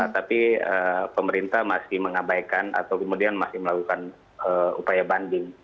tapi pemerintah masih mengabaikan atau kemudian masih melakukan upaya banding